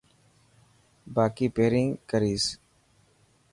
با ڪي پرين ڪريس.